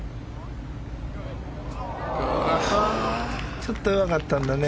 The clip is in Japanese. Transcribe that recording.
ちょっと弱かったんだね。